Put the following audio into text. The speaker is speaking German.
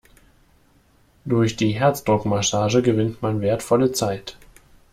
Durch die Herzdruckmassage gewinnt man wertvolle Zeit.